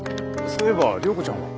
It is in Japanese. そういえば良子ちゃんは？